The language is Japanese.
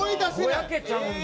ぼやけちゃうんだ。